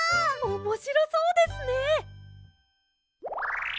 おもしろそうですね。